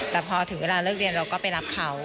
แต่พอถึงเวลาเลิกเรียนเราก็ไปรับเขา